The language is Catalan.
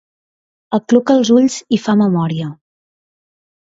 Acluca els ulls i fa memòria.